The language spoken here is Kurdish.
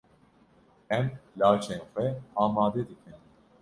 Em laşên xwe amade bikin.